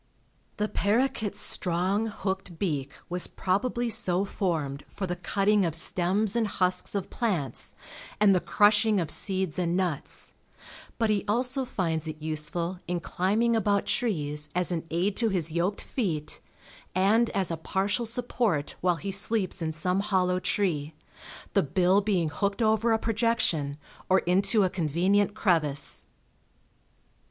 The paroquet's strong, hooked beak was probably so formed for the cutting of stems and husks of plants and the crushing of seeds and nuts, but he also finds it useful in climbing about trees as an aid to his yoked feet, and as a partial support while he sleeps in some hollow tree, the bill being hooked over a projection or into a convenient crevice.